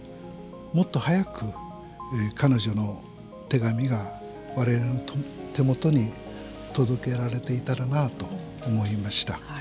もっと早く彼女の手紙が我々の手元に届けられていたらなと思いました。